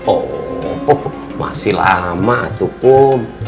oh masih lama tuh kom